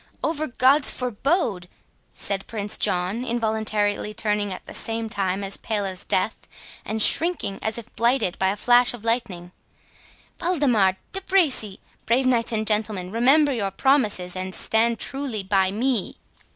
"Over God's forbode!" said Prince John, involuntarily turning at the same time as pale as death, and shrinking as if blighted by a flash of lightning; "Waldemar!—De Bracy! brave knights and gentlemen, remember your promises, and stand truly by me!"